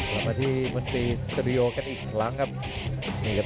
เรามาที่มนตรีสตรีโอกันอีกครั้งครับ